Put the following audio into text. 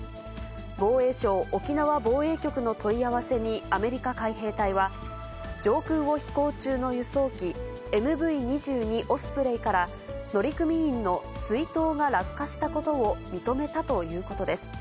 防衛省沖縄防衛局の問い合わせに、アメリカ海兵隊は、上空を飛行中の輸送機、ＭＶ２２オスプレイから乗組員の水筒が落下したことを認めたということです。